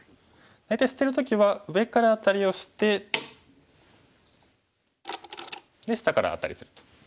大体捨てる時は上からアタリをしてで下からアタリすると。